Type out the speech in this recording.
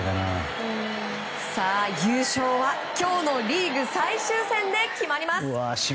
優勝は今日のリーグ最終戦で決まります。